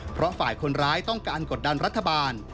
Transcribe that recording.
เพราะฝ่ายคนร้ายต้องการกดดันรัฐบาล